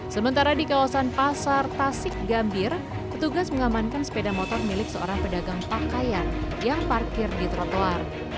sementara di kawasan pasar tasik gambir petugas mengamankan sepeda motor milik seorang pedagang pakaian yang parkir di trotoar